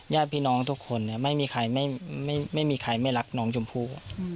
ญาติพี่น้องทุกคนเนี่ยไม่มีใครไม่มีใครไม่รักน้องชมพู่